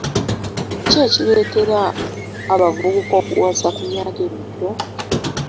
Ki ekireetera abavubuka okuwasa ku myaka emito?